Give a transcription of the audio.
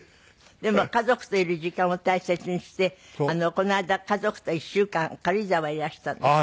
でも家族といる時間を大切にしてこの間家族と１週間軽井沢へいらしたんですって？